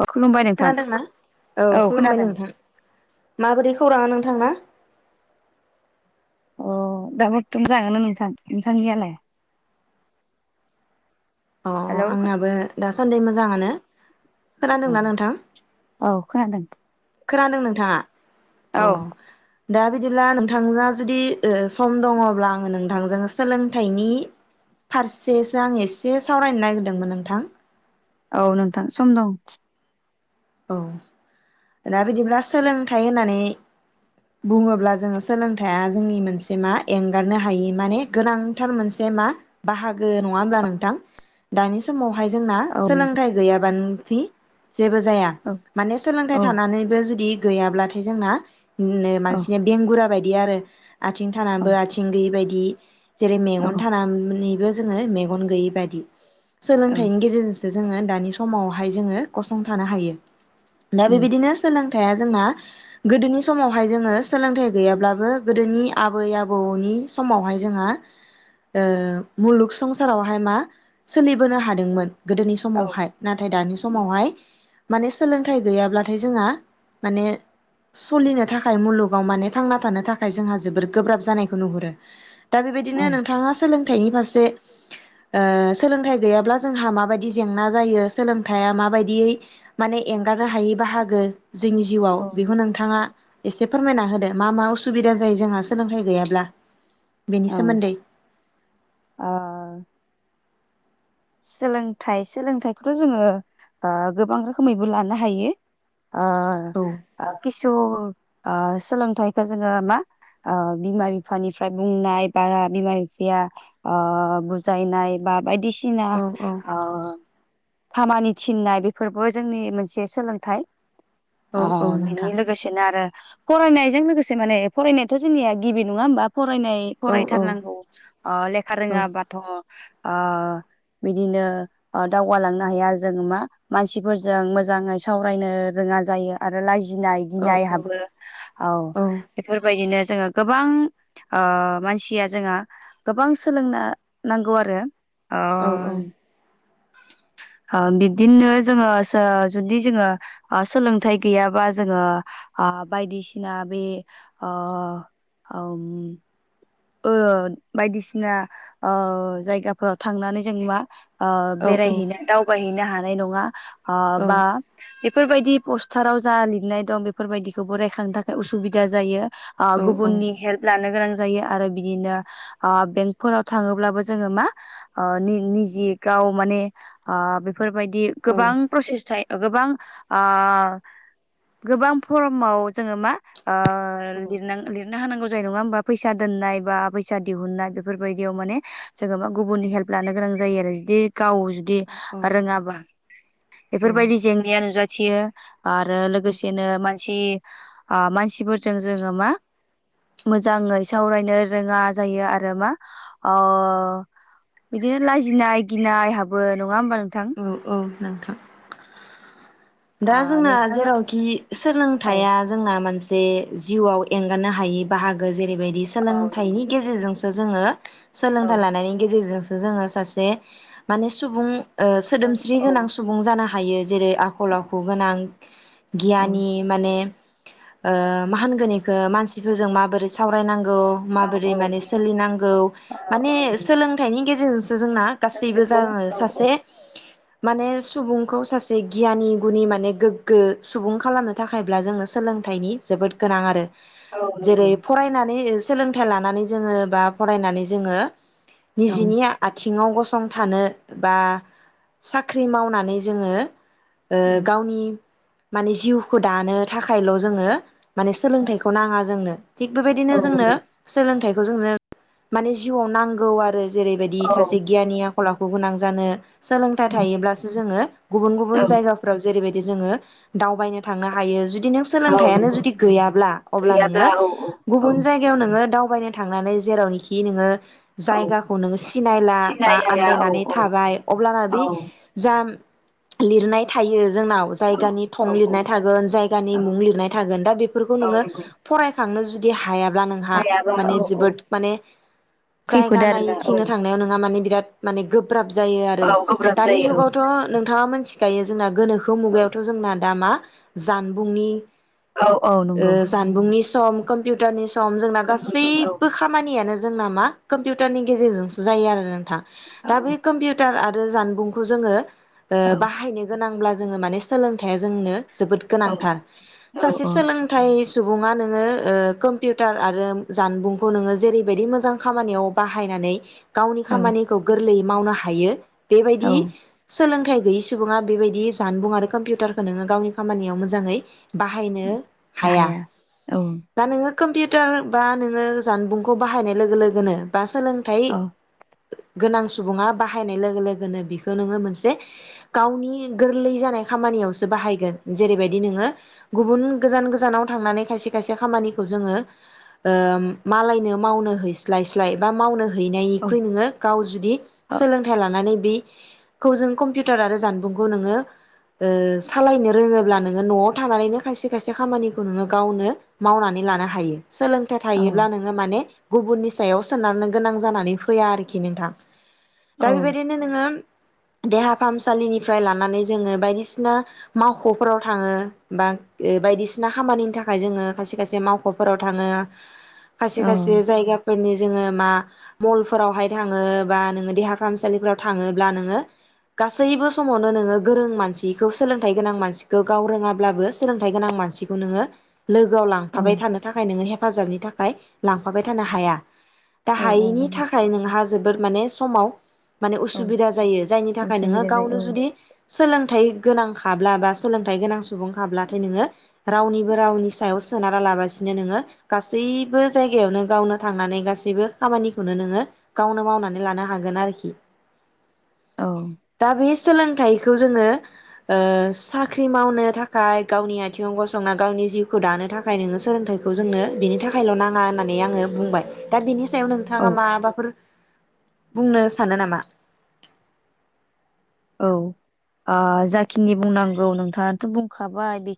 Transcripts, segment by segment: अ खुलुमबाय नोंथां। खोनादोंना औ खुलुमबाय नोंथां माबोरै खौराङा नोंथां थांना? अ दाबो बरथुम जागोना नोंथां नोंथांनियालाय अ हेलौ आंनाबो दा सान्दै मोजाङानो औ खोनादोंना नोंथां औ खोनादों खोनादों नोंथाङा अ औ दा बिदिब्ला नोंथांजोंआ जुदि सम दङब्ला आङो नोंथांजों सोलोंथाइनि फारसेसो आङो एसे से सावरायनो नागिरदोंमोन नोंथां औ नोंथां सम दं औ दा बिदिब्ला सोलोंथाइ होननानै बुङोब्ला जोङो सोलोंथाइया जोंनि मोनसे मा एंगारनो हायि माने गोनांथार मोनसे मा बाहागो नङा होनोमब्ला नोंथां दानि समाव बेहाय जोंना औ नंगौ। सोलोंथाइ गैयाबानो जेबो जाया औ माने सोलोंथाइ औ थानानैबो जुदि गैयाब्लाथाय जोंना नो औ मानसिनि बेंगुरा बायदि दि आरो आथिं औ थाबो आथिं गैयै बायदि [inaudible] जेरै औ मेगन थानानै बे जोङो मेगन गैयै बादि। औ सोलोंथाइनि गेजेरजोंसो जोङो दानि समावहाय जोङो गसंथानो हायो। दा उम बेबायदिनो सोलों थाइया जोंना गोदोनि समावहाय जोङो सोलोंथाइ गैयाब्लाबो गोदोनि आबै आबौनि समावहाय जोंहा ओ मुलुग संसारावहाय मा सोलिबोनो हादोंमोन। गोदोनि औ समावहाय नाथाय दानि समावहाय माने सोलोंथाइ गैयाब्लाथाय जोंहा माने सलिनो थाखाय मुलुगाव माने थांना थानो थाखाय जोंहा जोबोर गोब्राब जानायखौ नुहुरो दा बेबायदिनो नोंथाङा सोलोंथाइनि फारसे जे ओ सोलोंथाइ गैयाब्ला जोंहा माबायदि जेंना जायो सोलोंथाइया माबायदियै माने एंगारनो हायि बाहागो। जोंनि जिउआव औ बेखौ नोंथाङा एसे फोरमायना होदे मा मा असुबिदा जायो जोंहा सोलोंथाइ गैयाब्ला? बेनि औ सोमोन्दै आ सोलोंथाइ सोलोंथाइखौथ जोङो ओ गोबां रोखोमैबो लानो हायो। अ औ ओ खिस स आ सोलोंथाइखौ जोङो मा आ बिमा बिफानिफ्राय बुंनाय बा बिमा बिफाया आ बुजायनाय बा बायदिसि थिना औ औ अ खामानि थिननाय बेफोरबो जोंनि मोनसे सोलोंथाइ औ आ औ बेनि नोंथां लोगोसेनो आरो फरायनायजों लोगोसे माने फरायनायाथ जोंनिया गिबि नङा होमबा। फरायनाय औ फरायथारनांगौ आ लेखा औ रोङाबाथ अ बिदिनो अ दावगालांनो हाया जोंङो मा मानसिफोरजों मोजाङै सावरायनो रोङा जायो आरो लाजि गिनाय औ औ गिनाय हाबो औ बेफोरबायदिनो जोङो गोबां अ मानसिया जोंङो गोबां सोलोंनो नांगौ आरो। औ औ। अ बिब्दिनो जोङो सो जुदि जोङो अ असोलोंथाइ गैयाबा जोङो अ बायदिसिना बे अ उम ओ बायदिसिना अ जायगाफोराव थांनानै जों नुवा। अ औ औ बेरायहैनो दावबायहैनो हा हानाय नङा। अ बा औ हि बेफोरबायदि पस्टाराव जा लिरनाय दं बेफोरबायदिखौबो रायखांनो थाखाय उसुबिदा जायो। अ औ औ गुबुननि हेल्प लानो गोनां जाया आरो बिदिनो आ बेंक फोराव थाङोब्लाबो जोङो मा ओ निनिजे गाव माने आ बे फोरबायदि गोबां प्रसेस थाइ गोबां ओ गोबां फरमाव जोङो मा ओ लिरनां लिरनो हानांगौ जाय नङा होनबा फैसा सा दोननाय बा फैसा दिहुननाय बेफोर बायदियाव माने जोङो मा गुबुननि हेल्प लानो गोनां जायो आरो जुदि गाव जुदि रोङाबा बेफोरबायदि जेंनाया नुजा थियो आरो लोगोसेनो मा सि ओ मानसिफोरजों जोङो मा मोजाङै सावरायनो रोङा जायो आरो मा ओ बिदिनो लाजिनाय गिनाय हाबो नङा होमबा नोंथां? औ औ नोंथां ओ दा जोंना नोंथाङा जेरावखि औ सोलोंथाइया जोंना मानसि जे जिउआव एंगारनो हायै बाहागो जेरैबायदि औ नंगौ सोलोंथाइनि गेजेरजोंसो जोङो औ सोलोंथाइ लानायनि गेजेरजोंसो जोङो सासे माने सुबुं ओ सोदोमस्रि औ गोनां सुबुं जानो हा हायो जेरै आखल आखु गोनां औ गियानि माने ओ मा होनगोन इखो मानसिफोरजों माबोरै सावरायनांग खौ औ माबोरै औ माने बिनि सोलिनांगौ औ माने नों सोलोंथायनि गेजेरजों जोंना गासैबो बेखौ [unintelligible] औ सासे माने सुबुंखौ सासे गियानि गुनि माने गोग्गो सुबुं खालामनो थाखायब्ला जोङो सोलोंथाइनि जोबोद गोनां आरो औ नंगौ जेरै फरायनानै इस सोलोंथाइ लानानै जोङो बा फरायनानै जोङो औ निजेनि आथिङाव गसं संथानो बा साख्रि मावनानै जोङो ए उम गावनि माने जिउखौ दानो थाखायल' जोङो माने औ सोलोंथायखौ नाङा जोंनो थिग बेबायदिनो औ जोंनो नंगौ सोलोंथाय बेखौ जोंनो माने जिउआव नांगौ आरो जेरैबायदि औ सासे गियानिया खल आखु गोनां जानो सोलोंथाय उम, थायोब्लासो जोङो गुबुन गुबुन औ जायगाफ्राव जेरैबाय जोङो दावबायनो थांनो हायो जु जुदि नों औ सोलोंथाइयानो नंगौ जुदि गैयाब्ला अब्ला नोङो गैयाब्ला औ औ औ गुबुन जायगायाव नोङो दाव बायनो थांनानै जेरावनिखि नोङो औ जायगाखौ नोङो सिनायला बा सिनाय हाया औ आनदायनानै थाबाय अब्लाना औ बे जा लिरनाय थायो जोंनाव औ जायगानि थं औ औ लिरनाय थागोन जायगानि औ मुं लिरना थागोन दा बेफोरखौ नोङो नंगौ फरायखांनो स बिदि हायाब अब्ला नोंहा हायाबा माने औ औ जोबोद माने जायगा खैफोद आरोना औ नायैथिंनो थांनायाव नोंहा माने बिराद माने गोब्राब जायो रो औ गोब्राब दानि जायो जुगावथ' नों नोंथाङा मोनथिखायो जोंना गोनोखो औ मुगायावथ' जोंना दा मा जानबुंनि औ औ ओ नंगौ जानबुंनि स सम कम्पिउटारनि सम जोंना कम्पिउटार औ गासैबो खामानियानो जोंना मा कम्पिउटारनि गेजेरजोंसो जायो आरोना औ दा बे कम्पिउ टार आरो जानबुंखौ जोङो ओ औ बाहायनो गोनांब्ला जोङो माने सोलोंथाइया जोंनो जोबोद औ गोनांथार सासे औ सोलोंथाय सु सुबुङा नोङो ओ कम्पिउटार आरो जानबुंखौ नोङो जेरैबायदि मोजां खामानियाव बाहायनानै गावनि औ खामानिखौ गोरलै मावनो हायो [inaudible] बेबायदि औ सोलोंथाइ गैयै सुबुङा बेबायदि जानबुं आरो कम्पिउटारखौ नोङो गावनि खामानियाव मोजाङै बाहायनो हाया। औ दा नोङो कम्पिउटार बा नोङो जानबुंखौ बाहायनाय लोगो लोगोनो बा सोलोंथाइ औ गोनां सुबुङा बाहा हायनाय लोगो लोगोनो बिखो नोङो मोनसे गावनि गोरलै जानाय खामानियावसो बाहायगोन जेरै बायदि नोङो गुबुन गोजान गोजानाव थांनानै खायसे खायसे खामानिखौ जोङो ओ मालायनो मावनो हैस्लाय साय बा मावनो औ हैनायनिख्रुइ नोङो गाव जुदि औ लानानै बि खौ जों कम्पिउटार आरो जानबुंखौ नोङो ओ सालायनो रोङोब्ला नोङो नआव थानानैनो खायसे खायसे खामानिखौ नोङो गावनो मावनानै लानो हायो। सोलोंथाइ थायोब्ला औ नोङो माने गुबुननि सायाव सोनारनो गोनां जानानै फैया आरोखि नोंथां। दा औ बेबायदिनो नोङो देहा फाहामसालिनिफ्राय लानानै जोङो बायदिसिना मावखफोराव थाङो बा बायदिसिना खामानिनि थाखाय जोङो खायसे खायसे मावखफोराव थाङो खायसे खायसे औ जायगाफोरनि जोङो मा मलफोरावहाय थाङो बा नोङो देहा फाहामसालिफ्राव थाङोब्ला नोङो गासैबो समावनो नोङो गोरों मानसिखौ सोलोंथाइ गोनां मानसिखौ गाव रोङाब्लाबो सोलोंथाइ गोनां मानसिखौ नोङो लोगोआव औ लांफाबाय थानो थाखाय नोङो हेफा हेफाजाबनि थाखाय लांफाबाय थानो हाया। दा औ हायैनि नंगौ थाखाय नोंहा जोबोर माने समाव माने औ उसुबिदा जायो जायनि थाखाय नोङो उसुबिदा गावनो जायो जुदि सोलों थाइ गोनां खाब्ला बा सोलोंथाइ गोनां सुबुं खाब्लाथाय नोङो रावनिबो रावनि सायाव सोनारा लाबसिनो नोङो गासैबो जायगायावनो गावनो थांनानै गासैबो खामानिखौनो नोङो गावनो मावनानै लानो हागोन आरोखि। औ दा बे सोलोंथाइखौ जोङो साख्रि ओ‌ मावनो थाखाय गावनि आथिङाव गसंना गावनि जिउखौ दानो थाखाय नोङो सोलोंथाइखौ जोंनो बिनि थाखायल नाङा होननानै आङो बुंबाय दा बिनि सायाव नोंथाङा औ माबाफोर बुंनो सानो नामा? आं जाखिनि बुंनांगौ नोंथाङाथ बुंखाबाय बे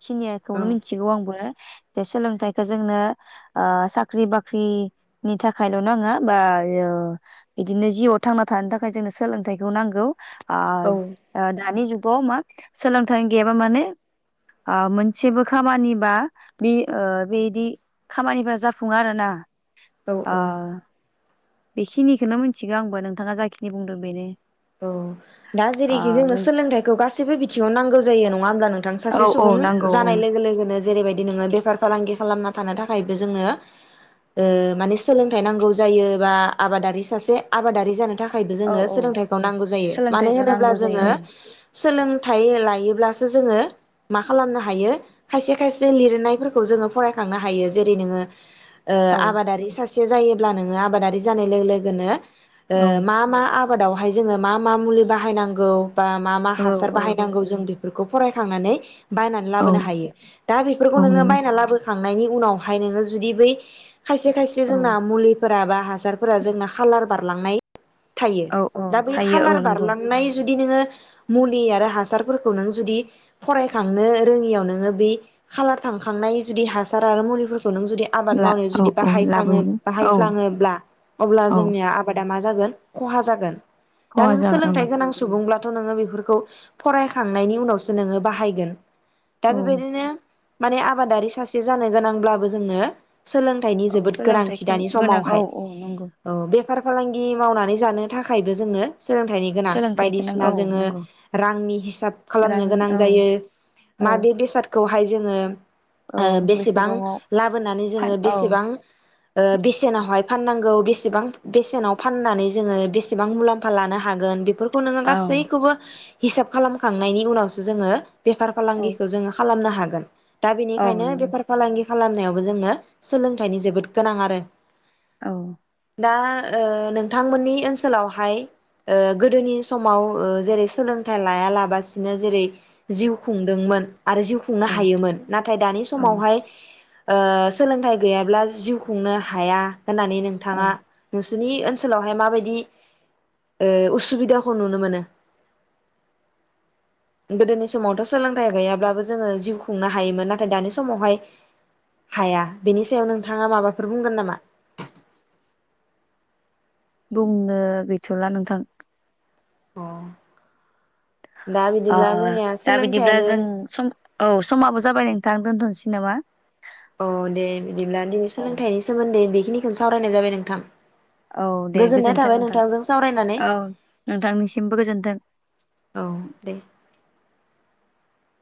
औ खिनियाखौनो मिथिगौ आंबो। जे सोलोंथाइखौ जोंनो ओ साख्रि बाख्रिनि थाखायल नाङा बा ओ बिदिनो जिउआव थांना थानो थाखाय जोंनो सोलोंथाइखौ नांगौ ओ औ दानि जुग ब मा सोलोंथाइ गैयाबा माने आ मोनसेबो खामानिबा बि ओ बिदि खामानिफ्रा जाफुङा आरोना। औ ओ औ बेखिनिखौनो मिथिगौ आंबो नोंथाङा जाखिनि बुंदों बेनो। औ दा आ जेरैखि जोंनो नों सोलोंथाइखौ गासैबो बिथिङाव नांगौ जायो नङा होमब्ला नोंथां औ सासे औ सुबुं नांगौ औ। जानाय लोगो लोगोनो जेरैबायदि नोङो बेफार फालांगि खालामना थानो थाखायबो जोंनो ओ माने सोलोंथाइ नांगौ जायो बा आबादारि सासे आबादारि जानो था थाखायबो औ जोंनो औ सोलोंथाइ गौ जायो मानो सोलोंथाइखौ होनोब्ला नांगौ जोङो जायो सोलोंथाइ लायोब्ला सो जोङो मा खालामनो हायो खायसे खायसे लिरनायफोरखौ जोङो फरायखांनो हायो जेरै नोङो ओ औ। औ आबादारि सासे से जायोब्ला नोङो आबादारि जानाय लोगो लोगोनो ओ मा मा आब बादावहाय जोङो मा मा मुलि बाहायनांगौ। बा मा मा औ हासार औ बाहायनांगौ जों बे फोरखौ फरायखांनानै बायनानै लाबोनो हायो दा बेफोरखौ औ नोङो नंगौ। बायना लाबो खांनायनि उनावहाय नोङो जुदि बै खायसे खायसे औ जोंना मुलिफोरा बा हासारफोरा जोंना खालार बारलांनाय थायो औ औ। दा थायो खालार औ नंगौ। बारलांनाय जु जुदि नोङो मुलि आरो हासारफोरखौ नों जुदि फरायखांनो रोङियाव नोङो बे खालार थांखांनाय जुदि हासार आरो मुलि फोरखौ नों जुदि आबाद ला मावनो औ जुदि औ बाहायफाङो लाबोयो औ बाहायफ्लाङोब्ला अब्ला औ जोंनिया आबादा मा जागोन खहा जागोन। दा खहा नों जागोन सोलोंथाइ गोनां सुबुंब्ला थ नोङो बेफोरखौ फरायखांनायनि उनावसो नोङो बाहायगोन। दा औ औ। बेबायदिनो माने आबादारि सासे जानो गोनांब्लाबो जोंनो सोलोंथाइनि औ जोबोद गोनांथि सोलोंथाइखौ दानि गोनां औ समावहाय। औ नंगौ फार फालांगि मावनानै जानो थाखाय बो जोंनो सोलोंथाइनि गोनां सोलोंथाइ गोनां बायदिसिना औ जोङो नंगौ। रांनि हिसाब रां खालामनो गोनां औ जायो औ माबे बेसादखौ खौहाय जोङो औ ओ बेसेबां बेसेबाङाव लाबोनानै फान जोङो औ बेसेबां ओ बेसेनावहाय फाननांगौ बेसेबां बेसेनाव फाननानै जोङो बेसे बेसेबां मुलाम्फा लानो हागोन बेफोर खौ नोङो औ गासैखौबो हिसाब खालामखांनायनि उनावसो जोङो बेफार औ फालांगिखो जोङो खालामनो हागो गोन। दा औ बेनिखायनो नंगौ बेफार फालांगि खालामनायावबो जोंनो सोलोंथाइनि जोबोद गोनां आरो। औ दा ओ नोंथांमोननि ओनस सोलावहाय ओ गोदोनि समाव ओ जेरै सोलोंथाइ लायालाबासिनो जेरै जिउ खुंदोंमोन। आरो जिउ खुंनो औ हायोमोन। नाथाय दानि औ समावहाय ओ सोलोंथाइ गैयाब्ला जिउ खुंनो हाया। होननानै औ नोंथाङा सोनि ओनसोलावहाय माबायदि? ओ उसुबिदाखौ नुनो मोनो गोदोनि समावथ सोलोंथाइ गैयाब्लाबो जोङो जिउ खुंनो हायोमोन नाथाय दानि समावहाय हाया बेनि सायाव नोंथाङा माबाफोर बुंगोन नामा? बुंनो गैथला नोंथां। अ दा ओ बिदिब्ला जोंनिया दा बिदिब्ला सोलोंथाइयानो जों सम औ समाबो जाबाय नोंथां दोनथन थि नामा? औ दे बिदिब्ला दिनै औ सोलोंथाइनि सोमोन्दै बि खिनिखौनो सावरायनाय जाबाय नोंथां। औ दे गोजोननाय गोजोनथों थाबाय नोंथां। नोंथांजों सावरायनानै औ दे